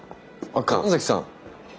あっ神崎さん。